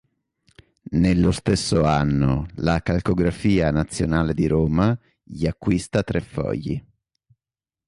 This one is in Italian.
Nello stesso anno la Calcografia Nazionale di Roma gli acquista tre fogli.